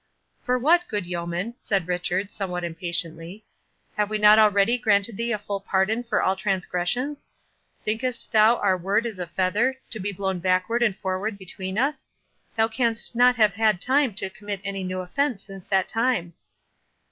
"For what, good yeoman?" said Richard, somewhat impatiently. "Have we not already granted thee a full pardon for all transgressions? Thinkest thou our word is a feather, to be blown backward and forward between us? Thou canst not have had time to commit any new offence since that time?"